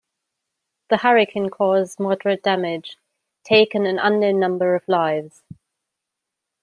The hurricane caused moderate damage, taking an unknown number of lives.